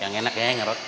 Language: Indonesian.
yang enak ya ngerot